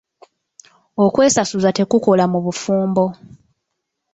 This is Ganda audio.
Okwesasuza tekukola mu bufumbo.